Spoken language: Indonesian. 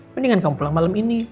mendingan kamu pulang malam ini